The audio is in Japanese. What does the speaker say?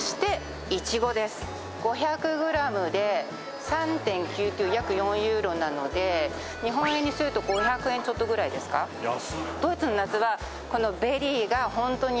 ５００ｇで３．９９約４ユーロなので日本円にすると５００円ちょっとぐらいですかやすっ